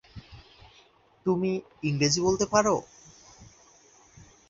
তুমি ইংরাজি বলতে পার?